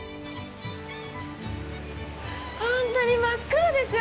本当に真っ黒ですよ。